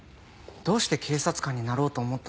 どうして警察官になろうと思った。